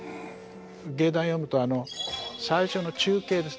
芸談読むと最初の中啓ですね